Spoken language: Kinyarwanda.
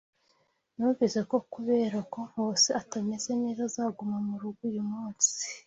Numvise ko kubera ko Nkusi atameze neza azaguma murugo uyu munsi.